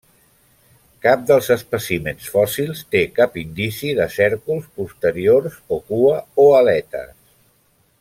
Cap dels espècimens fòssils té cap indici de cèrcols posteriors o cua, o aletes.